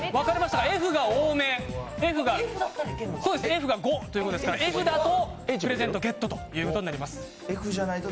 Ｆが５ということですからＦだとプレゼントゲットということになります。